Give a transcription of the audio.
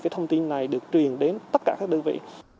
thông tin này được truyền đến tất cả các đơn vị